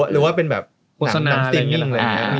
หรือว่าเป็นแบบหนังซีรีส์อะไรอย่างนี้